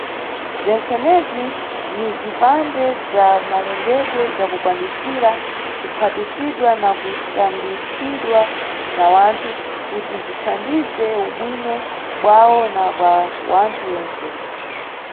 Bzentsenebzi ni bzipande bza malengedwe bzakukwanisira kuphatizidwa na kusandusidwa na wanthu, kuti bzithandize ubwino bwawo na bwa wanthu wentse.